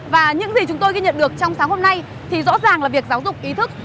và những gì chúng tôi ghi nhận được trong sáng hôm nay thì rõ ràng là việc giáo dục ý thức